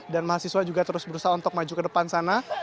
dan mahasiswa juga terus berusaha untuk maju ke depan sana